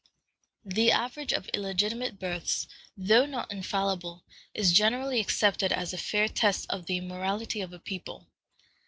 The average of illegitimate births, though not infallible, is generally accepted as a fair test of the immorality of a people.